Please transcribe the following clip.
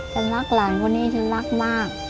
ฉันรักหลานคนนี้ฉันรักมาก